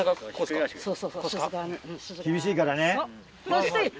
厳しいからね。